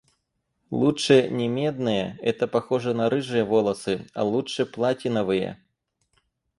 Лучше не медные, это похоже на рыжие волосы, а лучше платиновые.